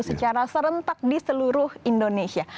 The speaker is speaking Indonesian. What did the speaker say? secara serentak di seluruh indonesia